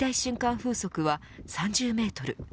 風速は３０メートル。